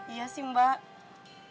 iya sih mbak